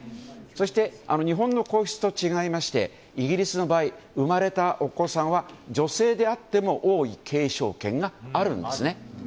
そして、日本の皇室と違いましてイギリスの場合生まれたお子さんは女性であっても王位継承権があるんですね。